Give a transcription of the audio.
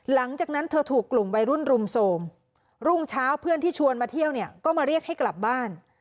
หลังจากนั้นเธอถูกกลุ่มวัยรุ่นรุมโทรมรุ่งเช้าเพื่อนที่ชวนมาเที่ยวเนี่ยก็มาเรียกให้กลับบ้าน